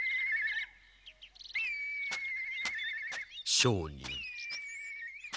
商人。